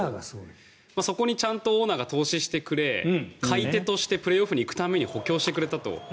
そこにオーナーが投資してくれ買い手としてプレーオフに行くために補強してくれたと。